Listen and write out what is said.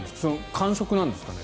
感触なんですかね。